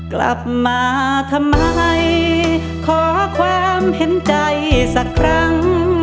กลับมาทำไมขอความเห็นใจสักครั้ง